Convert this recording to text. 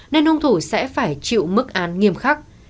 nên hung thủ sẽ phải chịu mức án nghiêm khắc